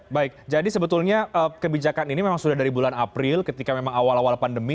baik jadi sebetulnya kebijakan ini memang sudah dari bulan april ketika memang awal awal pandemi